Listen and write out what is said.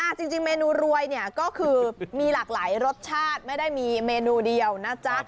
จริงเมนูรวยเนี่ยก็คือมีหลากหลายรสชาติไม่ได้มีเมนูเดียวนะจ๊ะ